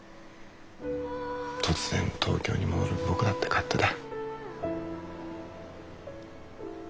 突然東京に戻る僕だって勝手だ。